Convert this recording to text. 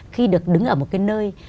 khi được đứng ở một cái nơi